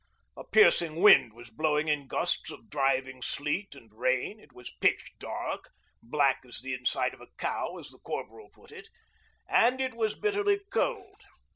A piercing wind was blowing in gusts of driving sleet and rain, it was pitch dark 'black as the inside of a cow,' as the Corporal put it and it was bitterly cold.